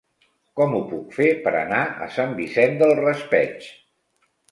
Com ho puc fer per anar a Sant Vicent del Raspeig?